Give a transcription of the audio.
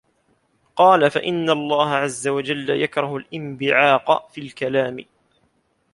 قَالَ فَإِنَّ اللَّهَ عَزَّ وَجَلَّ يَكْرَهُ الِانْبِعَاقَ فِي الْكَلَامِ